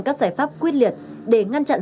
các giải pháp quyết liệt để ngăn chặn